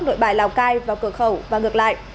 tuyến cao tốc nội bài lào cai vào cửa khẩu và ngược lại